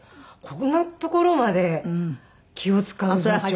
こんなところまで気を使う座長。